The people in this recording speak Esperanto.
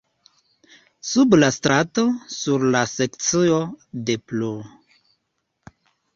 Sub la strato, sur la sekcio de pl.